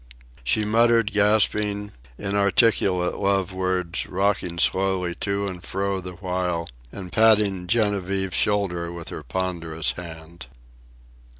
She muttered gasping, inarticulate love words, rocking slowly to and fro the while, and patting Genevieve's shoulder with her ponderous hand.